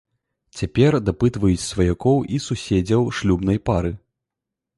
Цяпер дапытваюць сваякоў і суседзяў шлюбнай пары.